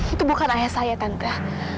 itu bukan ayah saya tante